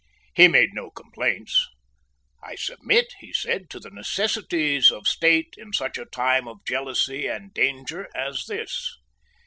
He made no complaints. "I submit," he said, "to the necessities of State in such a time of jealousy and danger as this."